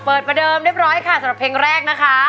ประเดิมเรียบร้อยค่ะสำหรับเพลงแรกนะคะ